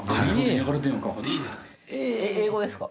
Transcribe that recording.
英語ですか？